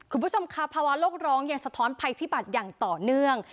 คุณผู้ชมค่ะภาวะโลกร้องยังสะท้อนภัยพิบัติอย่างต่อเนื่อง